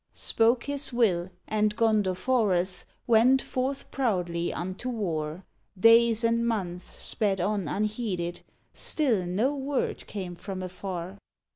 Spoke his will and Gondoforus Went forth proudly unto war; Days and months sped on unheeded, Still no word came from afar.